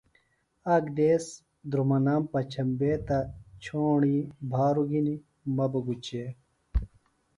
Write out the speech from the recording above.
آک دیس دُھرمنام پچھمبے تہ چھوݨی بھاروۡ گھنیۡ مہ بہ گُچیۡ